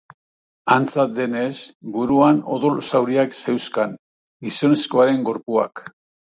Antza denez, buruan odol zauriak zeuzkan gizonezkoaren gorpuak.